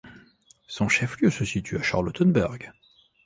Son chef-lieu se situe à Charlottenberg.